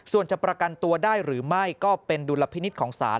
ส่วนจะประกันตัวได้หรือไม่ก็เป็นดุลพินิษฐ์ของศาล